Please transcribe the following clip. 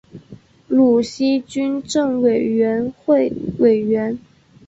鲁西军政委员会委员。